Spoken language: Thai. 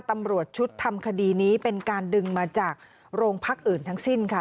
ตำรวจชุดทำคดีนี้เป็นการดึงมาจากโรงพักอื่นทั้งสิ้นค่ะ